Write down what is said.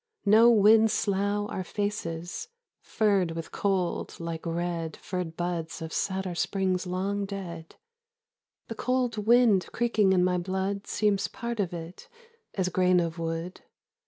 No winds slough Our faces, furred with cold like red Furred buds of satyr springs long dead. The cold wind creaking in my blood Seems part of it, as grain of wood.